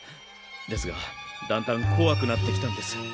ですがだんだんこわくなってきたんです。